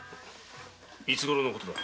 いつごろの事だ？